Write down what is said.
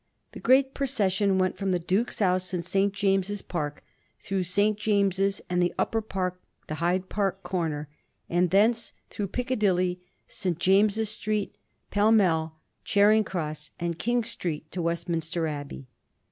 The great procession went from the Duke's house in St. James's Park, through St. James's and the Upper Park to Hyde Park Comer, and thence through Piccadilly, St. James's Street, Pall Mall, Charing Cross, and King Street to Westminster Abbey.